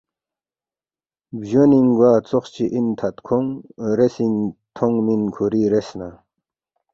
بجونینگ گوا ژوخچی اِن تھدکھونگ ، ریسینگ تھونگمن کھوری ریسنا